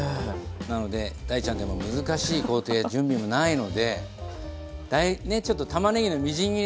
なので大ちゃんでも難しい工程や準備もないのでちょっとたまねぎのみじん切りだけ頑張ってもらって。